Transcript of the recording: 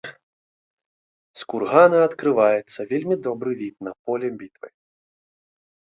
З кургана адкрываецца вельмі добры від на поле бітвы.